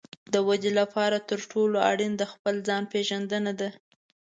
د ودې لپاره تر ټولو اړین د خپل ځان پېژندنه ده.